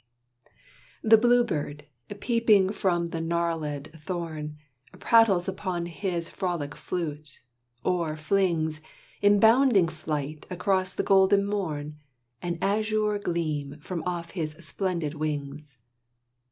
The bluebird, peeping from the gnarlèd thorn, Prattles upon his frolic flute, or flings, In bounding flight across the golden morn, An azure gleam from off his splendid wings.